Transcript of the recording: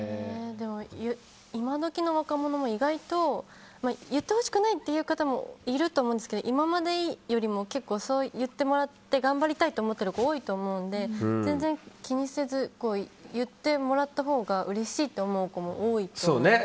今時の若者も意外と言ってほしくないって方もいると思うんですけど今までよりも言ってもらって頑張りたいって思ってる子多いと思うので全然気にせず言ってもらったほうがうれしいと思う子も多いと思います。